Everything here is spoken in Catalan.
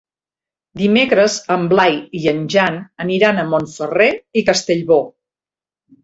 Dimecres en Blai i en Jan aniran a Montferrer i Castellbò.